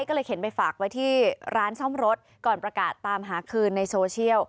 ก็เลยเข็นไปฝากไว้ที่ร้านซ่อมรถก่อนประกาศตามหาคืนในโซเชียล